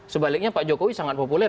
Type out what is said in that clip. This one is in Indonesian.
sebaliknya pak jokowi sangat populer